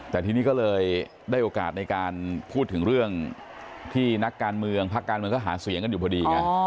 แต่ทีนี้ก็เลยได้โอกาสในการพูดถึงเรื่องที่นักการเมืองภาคการเมืองก็หาเสียงกันอยู่พอดีไง